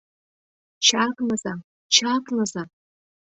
Чакныза, чакныза!